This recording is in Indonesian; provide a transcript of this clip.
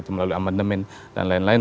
melalui amandemen dan lain lain